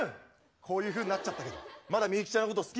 こういうふうになっちゃったけどまだみゆきちゃんのこと好きなの？